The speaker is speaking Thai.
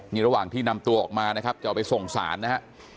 นี่ระหว่างที่นำตัวออกมานะครับจะเอาไปส่งสารนะฮะ